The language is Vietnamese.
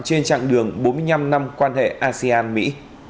trên chặng đường bốn mươi năm năm quan hệ asean mỹ